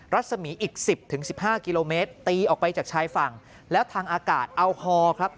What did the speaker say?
รัศมีอีก๑๐๑๕กิโลเมตรตีออกไปจากชายฝั่งแล้วทางอากาศแอลฮอล์ครับ